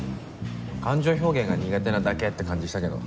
感情表現が苦手なだけって感じしたけど。